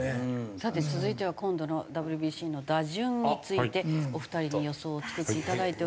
さて続いては今度のＷＢＣの打順についてお二人に予想を作っていただいておりますが。